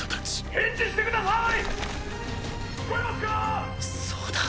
返事してください。